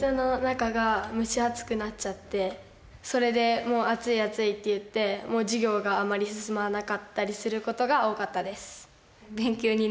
それで「暑い暑い」って言って授業があまり進まなかったりする事が多かったです。